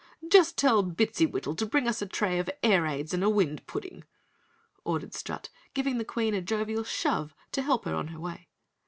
"Just tell Bittsywittle to bring us a tray of air ades and a wind pudding," ordered Strut, giving the Queen a jovial shove to help her on her way.